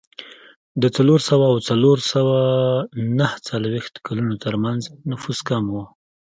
د څلور سوه او څلور سوه نهه څلوېښت کلونو ترمنځ نفوس کم و.